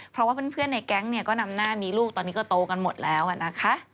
เพราะว่าเพื่อนในแก๊งเนี่ยก็นำหน้ามีลูกตอนนี้ก็โตกันหมดแล้วนะคะ